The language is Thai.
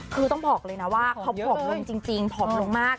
คือต้องบอกเลยนะว่าเขาผอมลงจริงผอมลงมาก